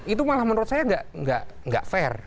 itu malah menurut saya nggak fair